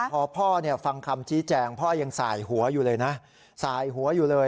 พอพ่อฟังคำชี้แจงพ่อยังสายหัวอยู่เลยนะสายหัวอยู่เลย